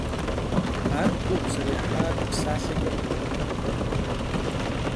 Ар гугъу зэрехьар псалъэкӀэ къыпхуэӀуэтэнукъым.